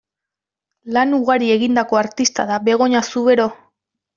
Lan ugari egindako artista da Begoña Zubero.